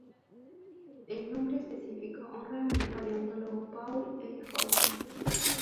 El nombre específico honra al paleontólogo Paul E. Olsen.